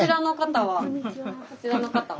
こちらの方は？